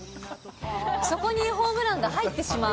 そこにホームランが入ってしまう。